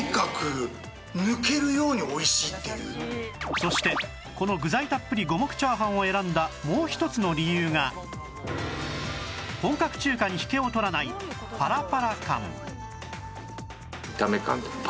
そしてこの具材たっぷり五目炒飯を選んだもう一つの理由が本格中華に引けを取らないパラパラ感